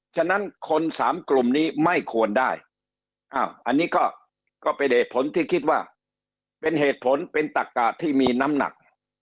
ฉะนั้นคนสามกลุ่มนี้ไม่ควรได้อันนี้ก็เป็นเหตุผลที่คิดว่าเป็นเหตุผลเป็นตักกะที่มีน้ำหนัก